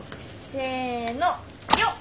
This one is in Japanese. せのよっ！